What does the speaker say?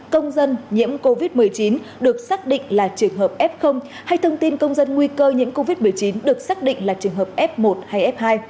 công dân nhiễm covid một mươi chín được xác định là trường hợp f hay thông tin công dân nguy cơ nhiễm covid một mươi chín được xác định là trường hợp f một hay f hai